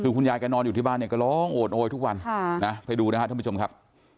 คือคุณยายแกนอนอยู่ที่บ้านเนี่ยก็ร้องโอดโอยทุกวันไปดูนะครับท่านผู้ชมครับ